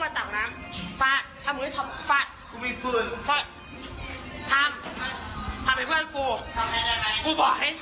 ทำเพื่อนกู